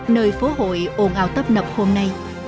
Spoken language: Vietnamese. nơi phố hội ồn ào tấp nập hôm nay